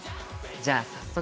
じゃあ早速。